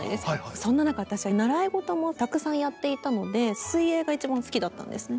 そんな中私は習い事もたくさんやっていたので水泳が一番好きだったんですね。